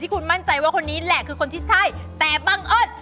ที่คุณมั่นใจว่าคนนี้แหละคือคนที่สุด